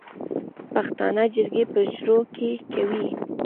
پښتانه جرګې په حجرو کې کوي